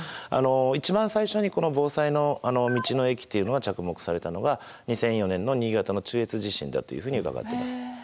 一番最初にこの防災の道の駅っていうのが着目されたのが２００４年の新潟の中越地震だというふうに伺ってます。